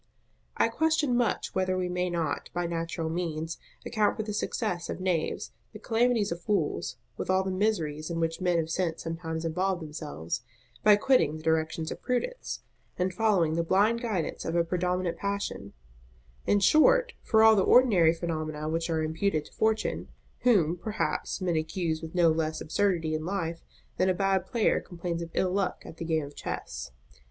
I question much whether we may not, by natural means, account for the success of knaves, the calamities of fools, with all the miseries in which men of sense sometimes involve themselves, by quitting the directions of Prudence, and following the blind guidance of a predominant passion; in short, for all the ordinary phenomena which are imputed to Fortune; whom, perhaps, men accuse with no less absurdity in life, than a bad player complains of ill luck at the game of chess.